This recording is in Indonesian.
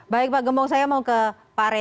baik pak gembong saya mau ke pak rey